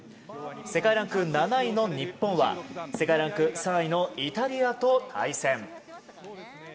世界ランク７位の日本は世界ランク３位のイタリアと対戦。